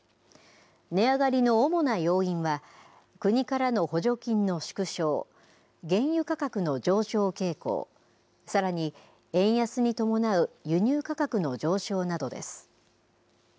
値上がりの主な要因は、国からの補助金の縮小、原油価格の上昇傾向、さらに、円安に伴う輸入価格の上昇などです。